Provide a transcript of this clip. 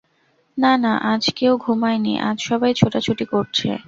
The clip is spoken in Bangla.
না, না-আজ কেউ ঘুমায় নি, আজ সবাই ছোটাছুটি করছে।